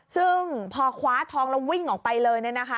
ซึ่งพอคว้าทองแล้ววิ่งออกไปเลย